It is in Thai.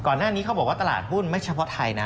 ก่อนหน้านี้เขาบอกว่าตลาดหุ้นไม่เฉพาะไทยนะ